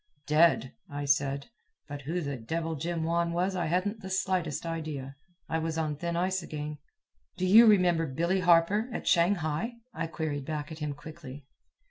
"Dead," I said; but who the devil Jim Wan was I hadn't the slightest idea. I was on thin ice again. "Do you remember Billy Harper, at Shanghai?" I queried back at him quickly.